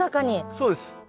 そうです。